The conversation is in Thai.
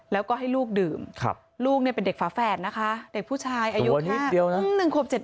แล้วก็ให้ลูกดื่มครับลูกเนี่ยเป็นเด็กฝาแฝดนะคะเด็กผู้ชายอยู่แตนิกเดียวนั้น๑ครบ๗เดือน